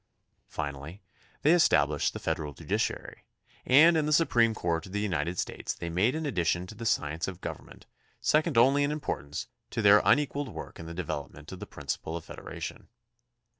Finally, they established the Federal judiciary, and in the Supreme Court of the United States they made an addition to the science of government second only THE CONSTITUTION AND ITS MAKERS 55 in importance to their unequalled work in the develop ment of the principle of federation.